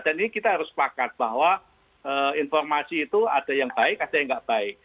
dan ini kita harus pakat bahwa informasi itu ada yang baik ada yang nggak baik